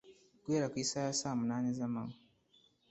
guhera ku isaha ya saa munani z’amanywa